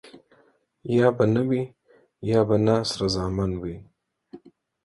يا به نه وي ،يا به نه سره زامن وي.